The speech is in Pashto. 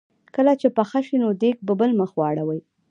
کله چې پخه شي نو دیګ په بل مخ واړوي.